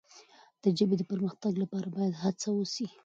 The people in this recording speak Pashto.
د ژبې د پرمختګ لپاره باید هڅه وسي.